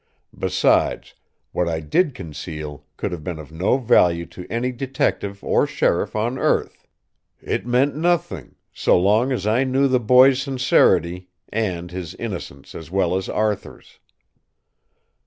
Besides, what I did conceal could have been of no value to any detective or sheriff on earth. It meant nothing, so long as I knew the boy's sincerity and his innocence as well as Arthur's."